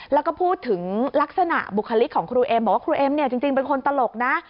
แล้วก็พูดถึงลักษณะบุคลิกของครูเอ็มบอกว่าครูเอ็มเนี่ยจริงเป็นคนตลกนะ